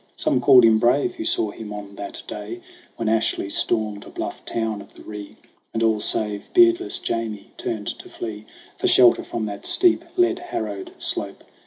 Some called him brave who saw him on that day When Ashley stormed a bluff town of the Ree, And all save beardless Jamie turned to flee For shelter from that steep, lead harrowed slope.